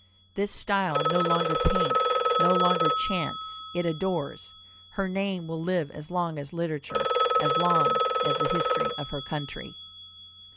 This style no longer paints, no longer chants; it adores.... Her name will live as long as literature, as long as the history of her country."